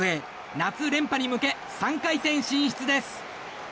夏連覇に向け３回戦進出です。